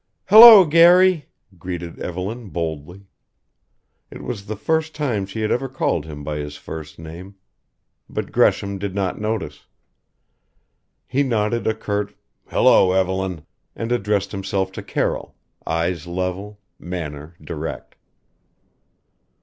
"Hello, Garry," greeted Evelyn boldly. It was the first time she had ever called him by his first name. But Gresham did not notice. He nodded a curt "Hello, Evelyn" and addressed himself to Carroll eyes level, manner direct.